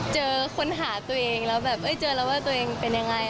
ค้นหาตัวเองแล้วแบบเจอแล้วว่าตัวเองเป็นยังไง